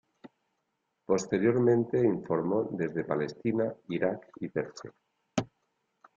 Posteriormente informó desde Palestina, Irak y Persia.